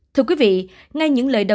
thưa quý vị